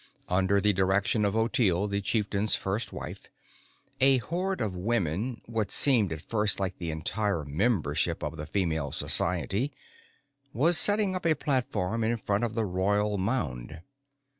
Under the direction of Ottilie, the Chieftain's First Wife, a horde of women what seemed at first like the entire membership of the Female Society was setting up a platform in front of the Royal Mound.